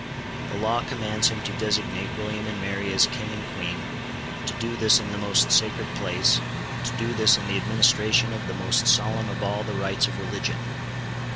The law commands him to designate William and Mary as King and Queen, to do this in the most sacred place, to do this in the administration of the most solemn of all the rites of religion.